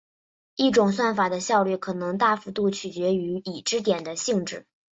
一种算法的效率可能大幅度取决于已知点的性质。